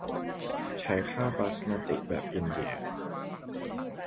ใช้ข้าวบาสมาติแบบอินเดีย